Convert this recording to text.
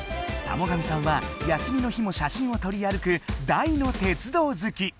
田母神さんは休みの日も写真をとり歩く大の鉄道好き。